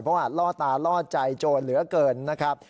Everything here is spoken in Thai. เพราะว่าล่อตาล่อใจโจรเหลือเกินนะครับ